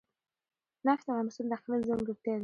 نفت د افغانستان د اقلیم ځانګړتیا ده.